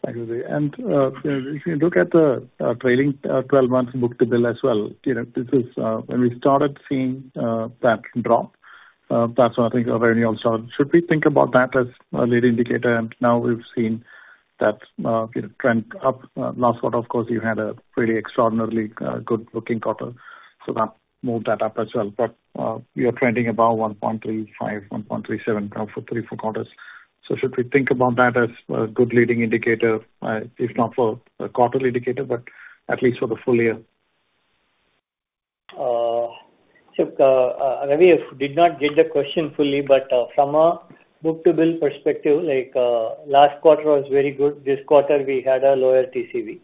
Thank you, Ravi. And if you look at the trailing twelve months book to bill as well, you know, this is when we started seeing that drop, that's when I think revenue also... Should we think about that as a leading indicator? And now we've seen that, you know, trend up. Last quarter, of course, you had a pretty extraordinarily good-looking quarter, so that moved that up as well. But you're trending above 1.35, 1.37, now for three, four quarters. So should we think about that as a good leading indicator, if not for a quarterly indicator, but at least for the full year?... So, Ravi, I did not get the question fully, but from a book-to-bill perspective, like, last quarter was very good. This quarter we had a lower TCV.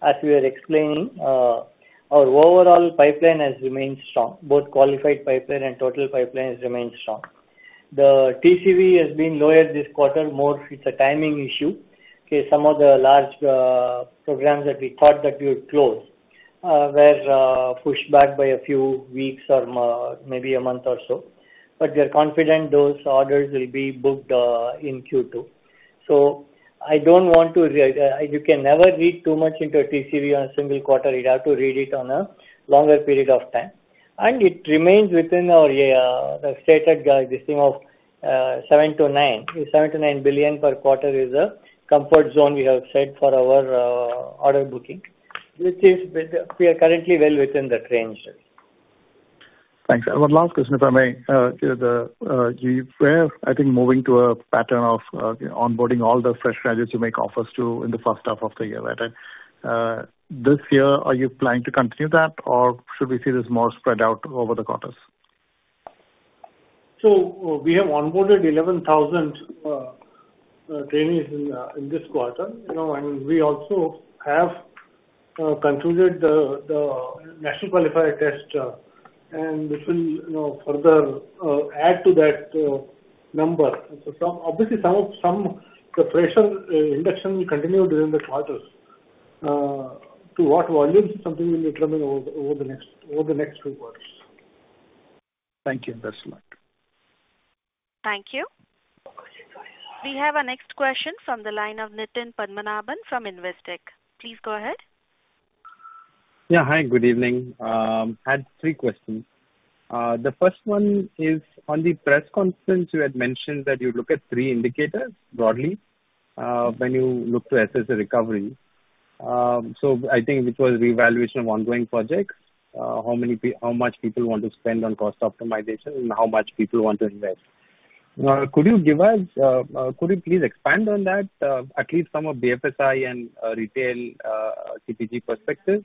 As we are explaining, our overall pipeline has remained strong. Both qualified pipeline and total pipeline has remained strong. The TCV has been lower this quarter, more it's a timing issue. Okay? Some of the large programs that we thought that we would close were pushed back by a few weeks or maybe a month or so. But we are confident those orders will be booked in Q2. So I don't want to, you can never read too much into a TCV on a single quarter, you have to read it on a longer period of time. It remains within our stated guide, this thing of $7 billion-$9 billion. $7 billion-$9 billion per quarter is a comfort zone we have set for our order booking, which is, we are currently well within that range. Thanks. And one last question, if I may. You were, I think, moving to a pattern of onboarding all the fresh graduates you make offers to in the first half of the year, right? This year, are you planning to continue that, or should we see this more spread out over the quarters? So we have onboarded 11,000 trainees in this quarter. You know, and we also have concluded the National Qualifier Test, and this will, you know, further add to that number. So obviously, some freshers induction will continue during the quarters. To what volume? Something will determine over the next few quarters. Thank you, and best of luck. Thank you. We have our next question from the line of Nitin Padmanabhan from Investec. Please go ahead. Yeah. Hi, good evening. I had three questions. The first one is on the press conference, you had mentioned that you look at three indicators broadly, when you look to assess the recovery. So I think it was reevaluation of ongoing projects, how much people want to spend on cost optimization and how much people want to invest. Could you give us, could you please expand on that, at least some of the FSI and, retail, CPG perspectives?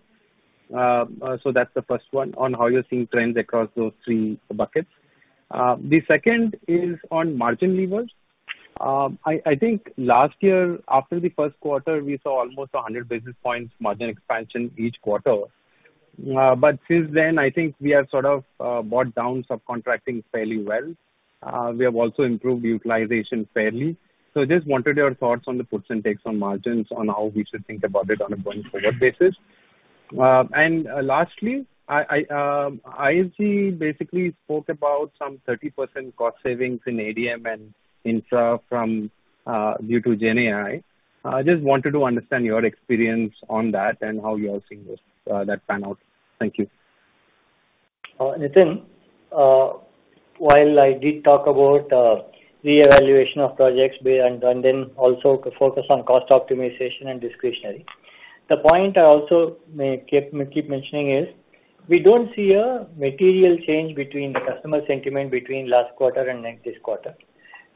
So that's the first one, on how you're seeing trends across those three buckets. The second is on margin levers. I think last year, after the first quarter, we saw almost 100 basis points margin expansion each quarter. But since then, I think we have sort of brought down subcontracting fairly well. We have also improved utilization fairly. So just wanted your thoughts on the puts and takes on margins, on how we should think about it on a going forward basis. And lastly, I, I, ISG basically spoke about some 30% cost savings in ADM and infra from due to GenAI. I just wanted to understand your experience on that and how you are seeing this that pan out. Thank you. Nithin, while I did talk about reevaluation of projects and then also focus on cost optimization and discretionary, the point I also may keep mentioning is we don't see a material change between the customer sentiment between last quarter and next quarter.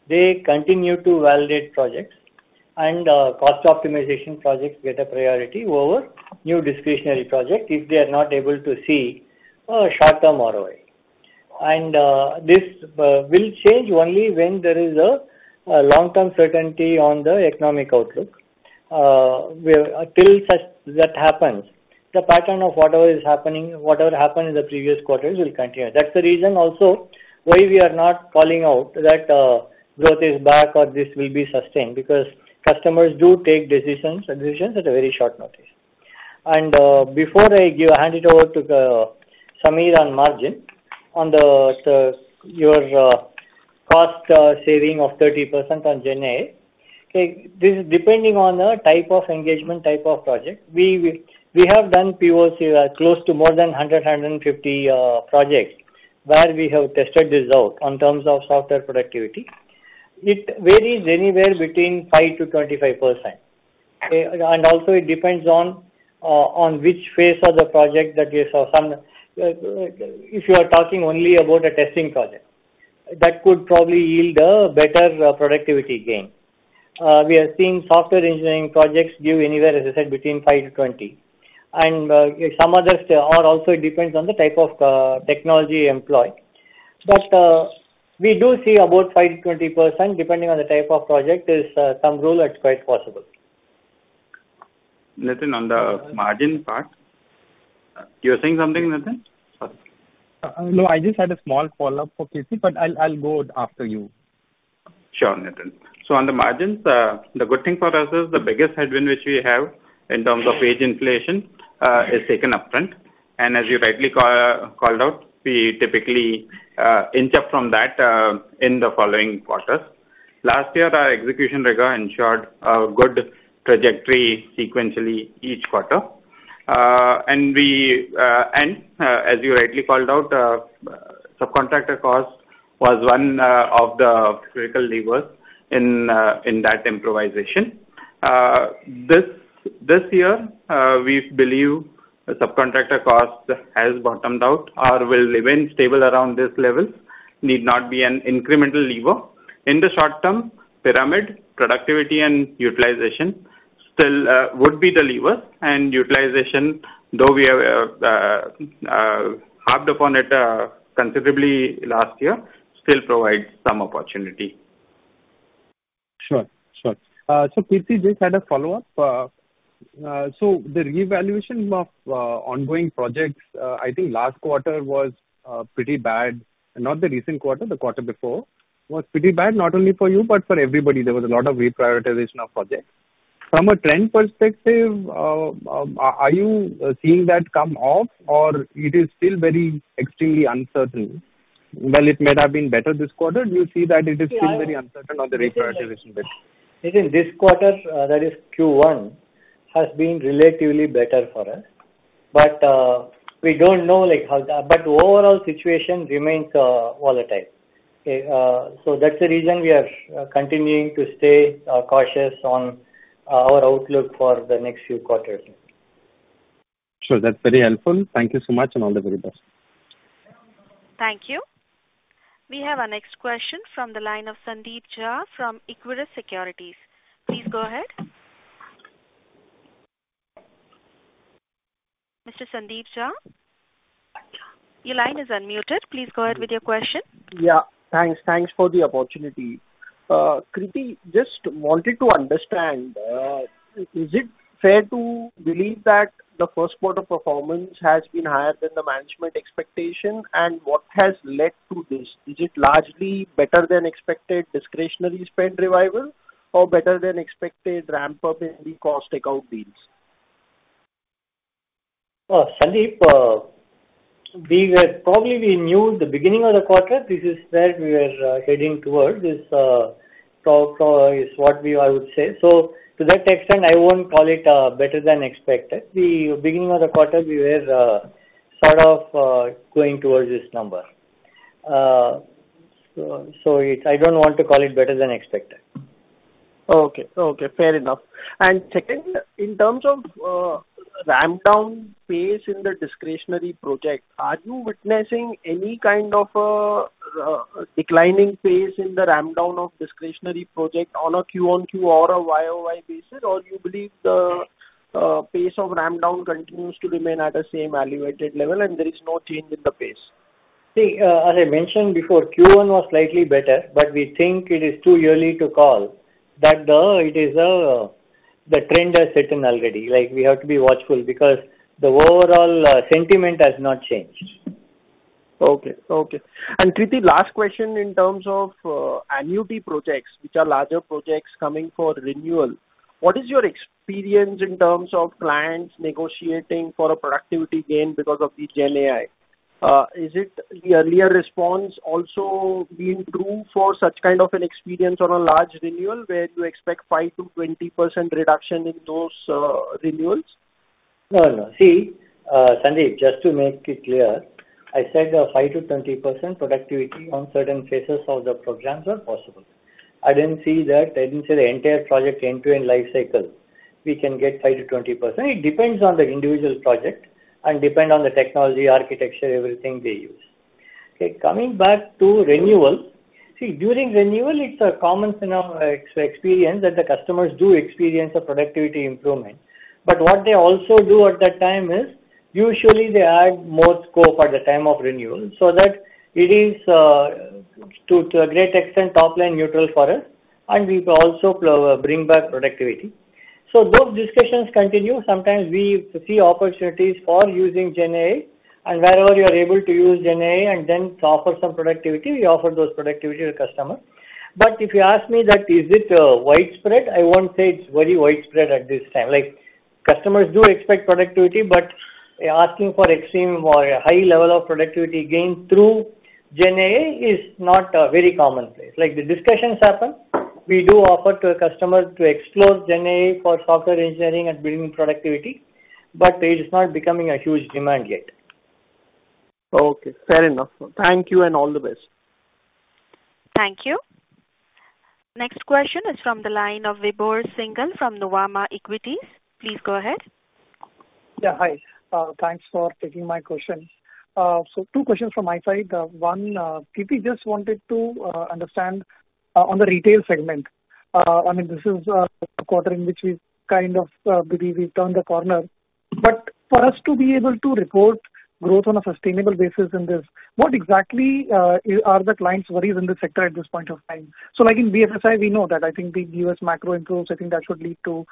They continue to validate projects, and cost optimization projects get a priority over new discretionary projects if they are not able to see a short-term ROI. And this will change only when there is a long-term certainty on the economic outlook. Until that happens, the pattern of whatever is happening, whatever happened in the previous quarters will continue. That's the reason also why we are not calling out that growth is back or this will be sustained, because customers do take decisions at a very short notice. Before I hand it over to Samir on margins, on the your cost saving of 30% on GenAI, okay, this is depending on the type of engagement, type of project. We have done POC, close to more than 150 projects, where we have tested this out on terms of software productivity. It varies anywhere between 5%-25%. Okay? And also it depends on, on which phase of the project that you saw. Some, if you are talking only about a testing project, that could probably yield a better, productivity gain. We are seeing software engineering projects give anywhere, as I said, between 5-20. And, some others, or also it depends on the type of, technology employed. We do see about 5%-20%, depending on the type of project, there's some rule, it's quite possible. Nithin, on the margin part... You were saying something, Nithin? Sorry. No, I just had a small follow-up for K. Krithivasan, but I'll go after you. Sure, Nithin. So on the margins, the good thing for us is the biggest headwind, which we have in terms of wage inflation, is taken upfront. And as you rightly called out, we typically inch up from that in the following quarters. Last year, our execution rigor ensured a good trajectory sequentially each quarter. And as you rightly called out, subcontractor cost was one of the critical levers in that improvisation. This year, we believe the subcontractor cost has bottomed out or will remain stable around this level, need not be an incremental lever. In the short term, pyramid, productivity and utilization.... still, would be the labor and utilization, though we have harped upon it considerably last year. Still provides some opportunity. Sure, sure. So Krithi, just had a follow-up. So the revaluation of ongoing projects, I think last quarter was pretty bad. Not the recent quarter, the quarter before, was pretty bad, not only for you, but for everybody. There was a lot of reprioritization of projects. From a trend perspective, are you seeing that come off, or it is still very extremely uncertain? Well, it may have been better this quarter. Do you see that it is still very uncertain on the reprioritization bit? I think this quarter, that is Q1, has been relatively better for us. But we don't know, like, but the overall situation remains volatile. Okay, so that's the reason we are continuing to stay cautious on our outlook for the next few quarters. Sure, that's very helpful. Thank you so much, and all the very best. Thank you. We have our next question from the line of Sandeep Shah from Equirus Securities. Please go ahead. Mr. Sandeep Shah, your line is unmuted. Please go ahead with your question. Yeah, thanks. Thanks for the opportunity. Krithi, just wanted to understand, is it fair to believe that the first quarter performance has been higher than the management expectation, and what has led to this? Is it largely better than expected discretionary spend revival or better than expected ramp up in the cost takeout deals? Sandeep, we were, probably we knew the beginning of the quarter, this is where we were heading towards. This talk is what we, I would say. So to that extent, I won't call it better than expected. The beginning of the quarter, we were sort of going towards this number. So, so it... I don't want to call it better than expected. Okay. Okay, fair enough. Secondly, in terms of, ramp down pace in the discretionary project, are you witnessing any kind of, declining pace in the ramp down of discretionary project on a Q-on-Q or a Y-o-Y basis? Or do you believe the, pace of ramp down continues to remain at the same elevated level and there is no change in the pace? See, as I mentioned before, Q1 was slightly better, but we think it is too early to call that the trend has set in already. Like, we have to be watchful because the overall sentiment has not changed. Okay. Okay. And Krithi, last question in terms of, annuity projects, which are larger projects coming for renewal, what is your experience in terms of clients negotiating for a productivity gain because of the GenAI? Is it the earlier response also being true for such kind of an experience on a large renewal, where you expect 5%-20% reduction in those, renewals? No, no. See, Sandeep, just to make it clear, I said a 5%-20% productivity on certain phases of the programs are possible. I didn't say that. I didn't say the entire project end-to-end life cycle, we can get 5%-20%. It depends on the individual project and depend on the technology, architecture, everything they use. Okay, coming back to renewal. See, during renewal, it's a common enough experience that the customers do experience a productivity improvement. But what they also do at that time is, usually they add more scope at the time of renewal, so that it is, to a great extent, top-line neutral for us, and we also flow, bring back productivity. So those discussions continue. Sometimes we see opportunities for using GenAI, and wherever you are able to use GenAI and then to offer some productivity, we offer those productivity to the customer. But if you ask me that, is it widespread? I won't say it's very widespread at this time. Like, customers do expect productivity, but asking for extreme or a high level of productivity gain through GenAI is not very commonplace. Like, the discussions happen, we do offer to a customer to explore GenAI for software engineering and bringing productivity, but it is not becoming a huge demand yet. Okay, fair enough. Thank you and all the best. Thank you. Next question is from the line of Vibhor Singhal from Nuvama Equities. Please go ahead. Yeah, hi. Thanks for taking my questions. So two questions from my side. One, Krithi, just wanted to understand on the retail segment. I mean, this is a quarter in which we've kind of maybe we've turned the corner. But for us to be able to report growth on a sustainable basis in this, what exactly are the clients' worries in this sector at this point of time? So, like, in BFSI, we know that. I think the U.S. macro improves. I think that should lead to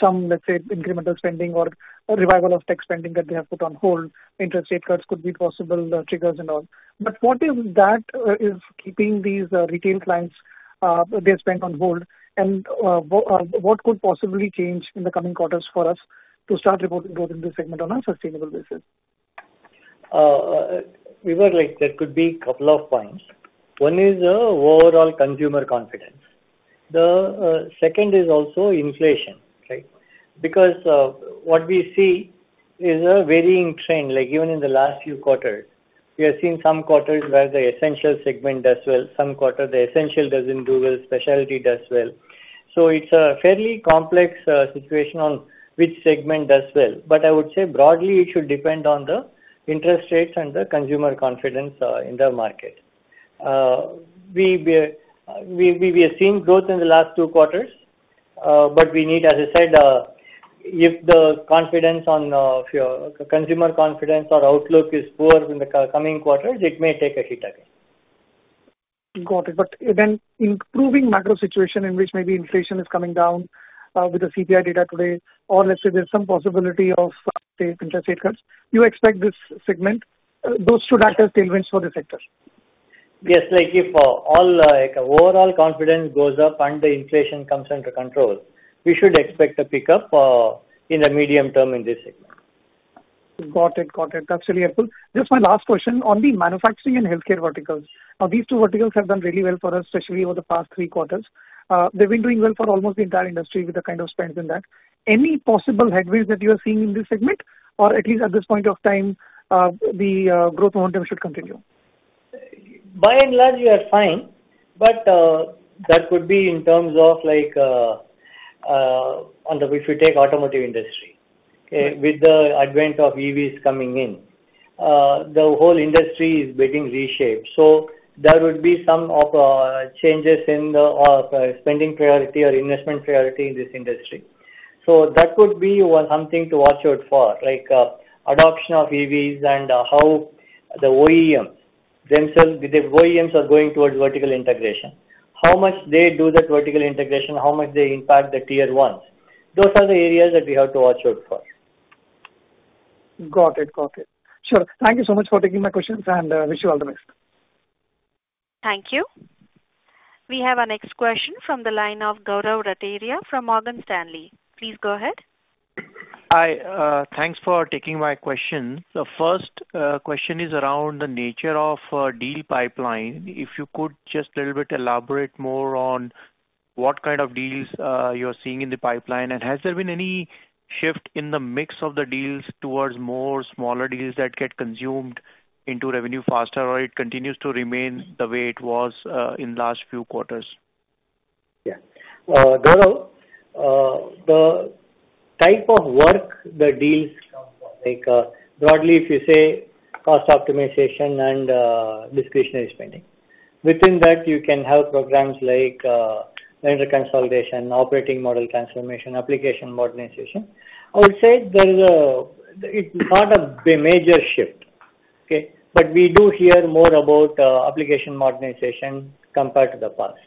some, let's say, incremental spending or a revival of tech spending that they have put on hold. Interest rate cuts could be possible triggers and all. But what is that is keeping these retail clients their spend on hold? What could possibly change in the coming quarters for us to start reporting growth in this segment on a sustainable basis? Vibhor, like, there could be couple of points. One is overall consumer confidence. The second is also inflation, okay? Because what we see is a varying trend, like even in the last few quarters. We have seen some quarters where the essential segment does well, some quarter the essential doesn't do well, specialty does well. So it's a fairly complex situation on which segment does well. But I would say broadly, it should depend on the interest rates and the consumer confidence in the market. We have seen growth in the last two quarters, but we need, as I said, if the confidence on, if your consumer confidence or outlook is poor in the coming quarters, it may take a hit again. Got it. But then, improving macro situation in which maybe inflation is coming down, with the CPI data today, or let's say there's some possibility of, say, interest rate cuts, you expect this segment, those should act as tailwinds for the sector? Yes, like if overall confidence goes up and the inflation comes under control, we should expect a pickup in the medium term in this segment. Got it. Got it. That's really helpful. Just my last question, on the manufacturing and healthcare verticals, these two verticals have done really well for us, especially over the past three quarters. They've been doing well for almost the entire industry with the kind of spends in that. Any possible headwinds that you are seeing in this segment? Or at least at this point of time, the growth momentum should continue? By and large, we are fine, but that could be in terms of like, if you take automotive industry, okay? With the advent of EVs coming in, the whole industry is being reshaped. So there would be some of changes in the spending priority or investment priority in this industry. So that would be one something to watch out for, like adoption of EVs and how the OEMs themselves, because OEMs are going towards vertical integration. How much they do that vertical integration, how much they impact the Tier 1s, those are the areas that we have to watch out for. Got it. Got it. Sure. Thank you so much for taking my questions, and wish you all the best. Thank you. We have our next question from the line of Gaurav Rateria from Morgan Stanley. Please go ahead. Hi, thanks for taking my question. The first question is around the nature of deal pipeline. If you could just a little bit elaborate more on what kind of deals you're seeing in the pipeline, and has there been any shift in the mix of the deals towards more smaller deals that get consumed into revenue faster, or it continues to remain the way it was in last few quarters? Yeah. Gaurav, the type of work, the deals come from, like, broadly, if you say cost optimization and discretionary spending. Within that, you can have programs like vendor consolidation, operating model transformation, application modernization. I would say there is, it's not a major shift, okay? But we do hear more about application modernization compared to the past.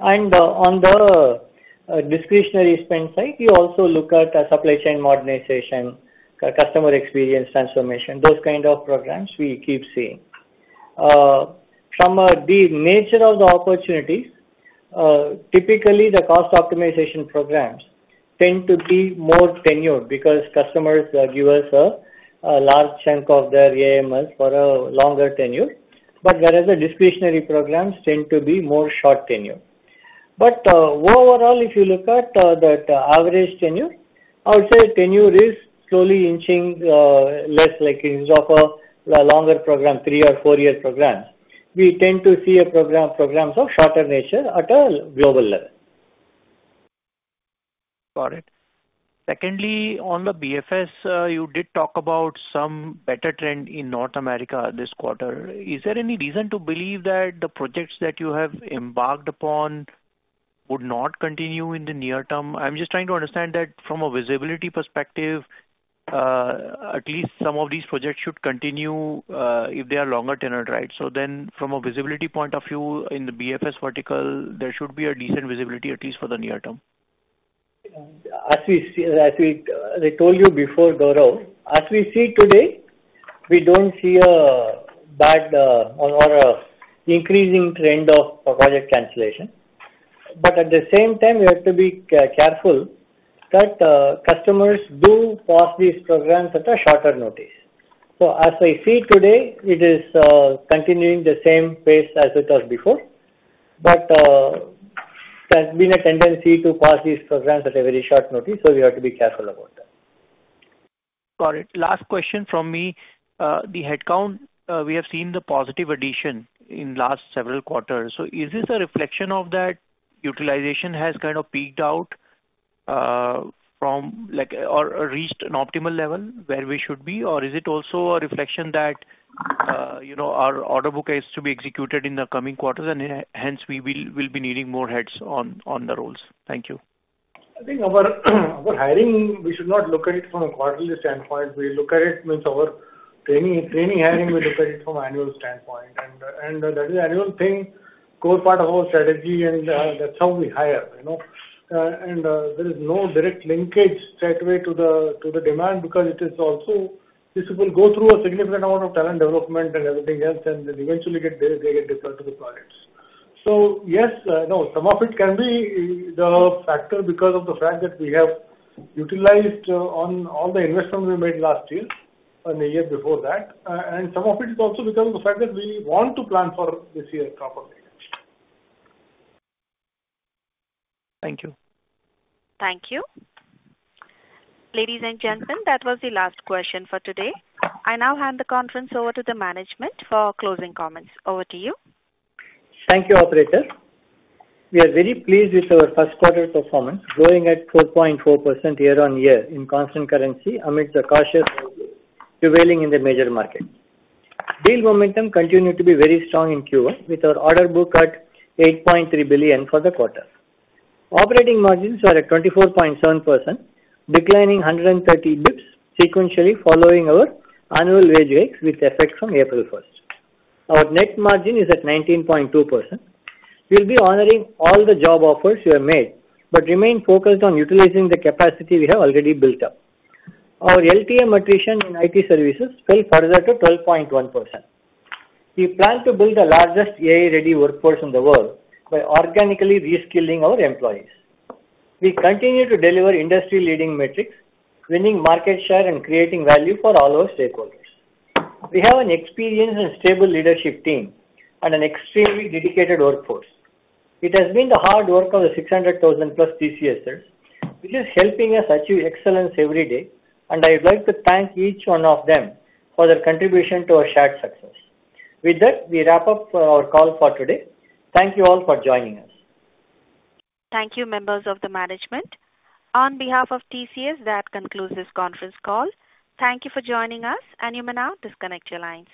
On the discretionary spend side, you also look at supply chain modernization, customer experience transformation, those kind of programs we keep seeing. From the nature of the opportunities, typically, the cost optimization programs tend to be more tenured because customers give us a large chunk of their AMS for a longer tenure, but whereas the discretionary programs tend to be more short tenure. Overall, if you look at the average tenure, I would say tenure is slowly inching less like instead of a longer program, three or four-year programs, we tend to see a program, programs of shorter nature at a global level. Got it. Secondly, on the BFS, you did talk about some better trend in North America this quarter. Is there any reason to believe that the projects that you have embarked upon would not continue in the near term? I'm just trying to understand that from a visibility perspective, at least some of these projects should continue, if they are longer tenured, right? So then from a visibility point of view, in the BFS vertical, there should be a decent visibility, at least for the near term. As we see, as we, I told you before, Gaurav, as we see today, we don't see a bad, or a increasing trend of project cancellation. But at the same time, we have to be careful that, customers do pause these programs at a shorter notice. So as I see today, it is, continuing the same pace as it was before, but, there's been a tendency to pause these programs at a very short notice, so we have to be careful about that. Got it. Last question from me. The headcount, we have seen the positive addition in last several quarters. So is this a reflection of that utilization has kind of peaked out, from like... or, or reached an optimal level where we should be? Or is it also a reflection that, you know, our order book is to be executed in the coming quarters and hence we will, we'll be needing more heads on, on the roles? Thank you. I think our hiring, we should not look at it from a quarterly standpoint. We look at it with our training, hiring. We look at it from an annual standpoint. And that is an annual thing, core part of our strategy, and that's how we hire, you know. And there is no direct linkage straightaway to the demand because it is also, this will go through a significant amount of talent development and everything else, and then eventually get, they get deployed to the projects. So yes, no, some of it can be the factor because of the fact that we have utilized on all the investments we made last year and the year before that. And some of it is also because of the fact that we want to plan for this year properly. Thank you. Thank you. Ladies and gentlemen, that was the last question for today. I now hand the conference over to the management for closing comments. Over to you. Thank you, operator. We are very pleased with our first quarter performance, growing at 4.4% year-on-year in constant currency amid the caution prevailing in the major market. Deal momentum continued to be very strong in Q1, with our order book at $8.3 billion for the quarter. Operating margins are at 24.7%, declining 130 basis points sequentially following our annual wage hike, with effect from April 1. Our net margin is at 19.2%. We'll be honoring all the job offers we have made, but remain focused on utilizing the capacity we have already built up. Our LTM attrition in IT services fell further to 12.1%. We plan to build the largest AI-ready workforce in the world by organically reskilling our employees. We continue to deliver industry-leading metrics, winning market share and creating value for all our stakeholders. We have an experienced and stable leadership team and an extremely dedicated workforce. It has been the hard work of the 600,000-plus TCSers, which is helping us achieve excellence every day, and I would like to thank each one of them for their contribution to our shared success. With that, we wrap up, our call for today. Thank you all for joining us. Thank you, members of the management. On behalf of TCS, that concludes this conference call. Thank you for joining us, and you may now disconnect your lines.